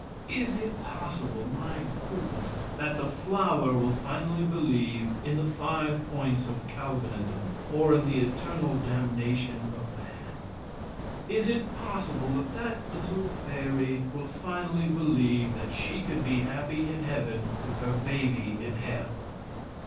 Is it possible, my goodness, that that flower will finally believe in the five points of Calvinism or in the eternal damnation of man? Is it possible that that little fairy will finally believe that she could be happy in Heaven with her baby in Hell?